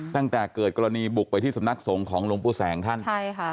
ตั้งแต่เกิดกรณีบุกไปที่สำนักสงฆ์ของหลวงปู่แสงท่านใช่ค่ะ